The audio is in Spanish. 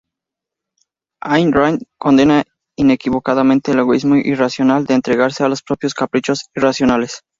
Ayn Rand condenaba inequívocamente el egoísmo irracional de entregarse a los propios caprichos irracionales.